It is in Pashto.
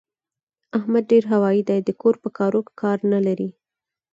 احمد ډېر هوايي دی؛ د کور په کارو کار نه لري.